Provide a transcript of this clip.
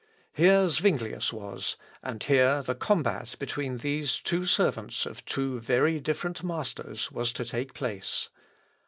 Here Zuinglius was, and here the combat between these two servants of two very different masters was to take place.